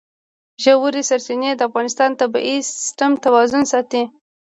ژورې سرچینې د افغانستان د طبعي سیسټم توازن ساتي.